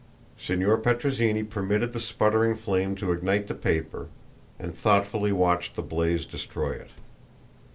Signor Petrozinni permitted the sputtering flame to ignite the paper, and thoughtfully watched the blaze destroy it.